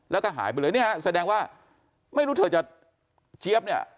แล้วก็หายไปเลยเนี่ยฮะแสดงว่าไม่รู้เธอจะเจี๊ยบเนี่ย